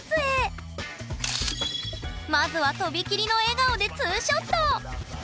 まずはとびきりの笑顔で２ショット。